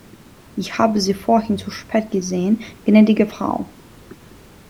Ich habe Sie vorhin zu spät gesehen, gnädige Frau.